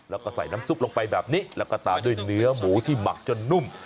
แล้วก็ใส่น้ำซุปลงไปแบบนี้แล้วก็ตามด้วยเนื้อหมูที่หมักจนนุ่ม